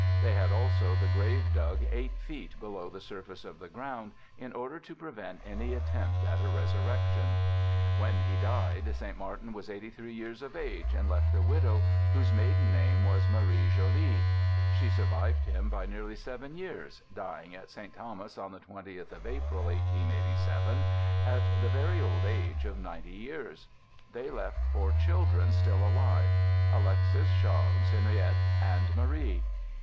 They had also the grave dug eight feet below the surface of the ground in order to prevent any attempt at a resurrection. When he died St. Martin was 83 years of age, and left a widow, whose maiden name was Marie Joly. She survived him by nearly seven 3'ears, dying at St. Thomas on the 20th of April, 1887, at the very old age of 90 years. They left four children, still alive Alexis, Charles, Henriette, and Marie.